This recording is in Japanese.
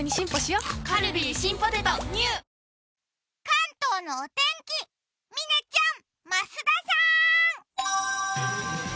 関東のお天気、嶺ちゃん、増田さん。